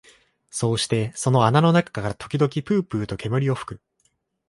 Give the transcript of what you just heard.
そうしてその穴の中から時々ぷうぷうと煙を吹く